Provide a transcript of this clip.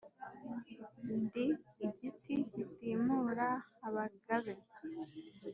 ndi igiti kitimura abagabe